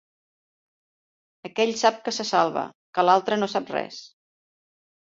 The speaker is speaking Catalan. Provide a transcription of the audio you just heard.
Aquell sap que se salva, que l'altre no sap res.